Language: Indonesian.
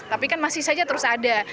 tapi kan masih saja terus ada